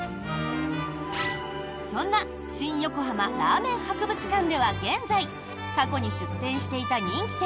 そんな新横浜ラーメン博物館では現在過去に出店していた人気店